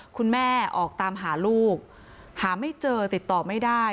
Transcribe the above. คุณแม่ออกตามหาลูกหาไม่เจอติดต่อไม่ได้